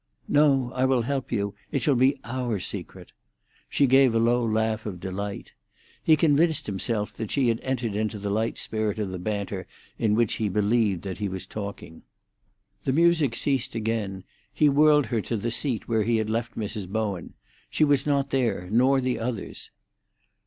"No; I will help you. It shall be our secret." She gave a low laugh of delight. He convinced himself that she had entered into the light spirit of banter in which he believed that he was talking. The music ceased again. He whirled her to the seat where he had left Mrs. Bowen. She was not there, nor the others.